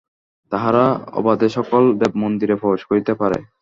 তাহারা অবাধে সকল দেবমন্দিরে প্রবেশ করিতে পারে।